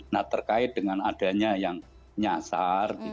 nah terkait dengan adanya yang nyasar